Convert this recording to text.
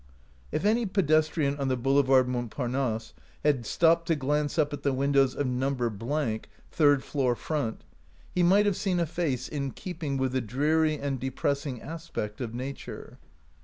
If any pedestrian on the Boulevard Mont parnasse had stopped to glance up at the window of No. —, third floor front, he might have seen a face in keeping with the dreary and depressing aspect of nature.